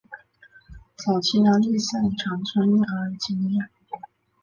早期拉力赛常穿越阿尔及利亚。